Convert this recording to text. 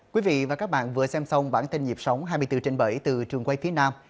quý vị và các bạn vừa xem xong bản tin nhịp sống hai mươi bốn trên bảy từ trường quay phía nam